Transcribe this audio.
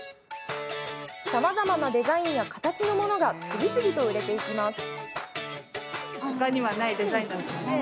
さまざまなデザインや形のものが次々と売れていきます。